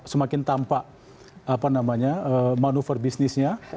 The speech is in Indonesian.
semakin tampak manuver bisnisnya